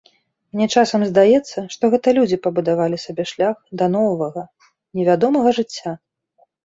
Мне часам здаецца, што гэта людзі пабудавалі сабе шлях да новага, невядомага жыцця.